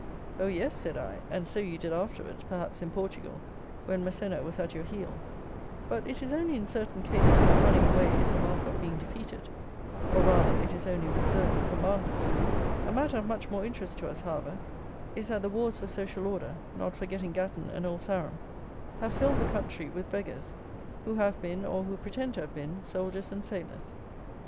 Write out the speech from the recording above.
Oh, yes! said I, and so you did afterwards, perhaps, in Portugal, when Massena was at your heels; but it is only in certain cases that running away is a mark of being defeated; or, rather, it is only with certain commanders. A matter of much more interest to us, however, is that the wars for "social order," not forgetting Gatton and Old Sarum, have filled the country with beggars, who have been, or who pretend to have been, soldiers and sailors.